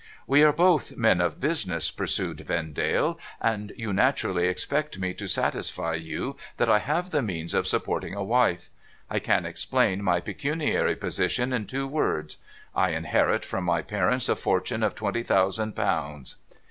' We are both men of business,' pursued Vendale, ' and you naturally expect me to satisfy you that I have the means of sup porting a wife. I can explain my pecuniary position in two words. I inherit from my parents a fortune of twenty thousand pounds.